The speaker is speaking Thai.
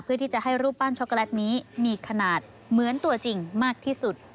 เพื่อที่จะให้รูปปั้นช็อกโกแลตนี้มีขนาดเหมือนตัวจริงมากที่สุด